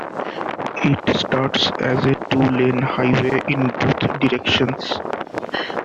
It starts as a two-lane highway in both directions.